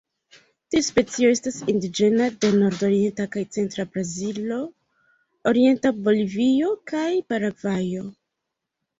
Tiu specio estas indiĝena de nordorienta kaj centra Brazilo, orienta Bolivio kaj Paragvajo.